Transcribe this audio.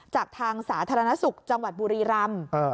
จากทางสาธารณสุขจังหวัดบุรีรำ